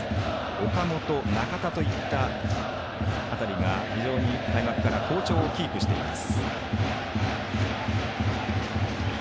岡本、中田といった辺りが非常に開幕から好調をキープしています。